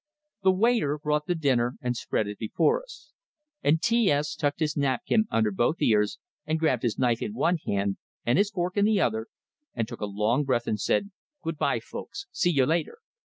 The waiter brought the dinner, and spread it before us. And T S tucked his napkin under both ears, and grabbed his knife in one hand and his fork in the other, and took a long breath, and said: "Good bye, folks. See you later!"